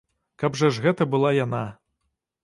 Каб жа ж гэта была яна!